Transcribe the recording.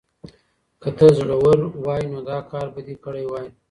که ته زړور وای نو دا کار به دې کړی وای.